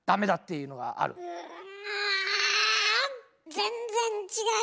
全然違う。